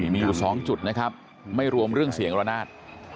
มีอยู่๒จุดนะครับไม่รวมเรื่องเสียงระนาด